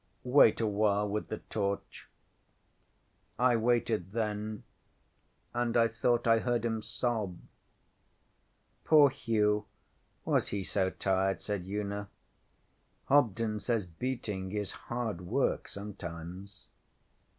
Wait awhile with the torch. ŌĆØ ŌĆśI waited then, and I thought I heard him sob. ŌĆÖ ŌĆśPoor Hugh! Was he so tired? ŌĆÖ said Una. ŌĆśHobden says beating is hard work sometimes.